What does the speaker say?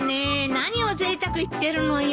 何をぜいたく言ってるのよ。